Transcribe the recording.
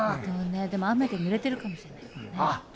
でも雨でぬれてるかもしれないですね。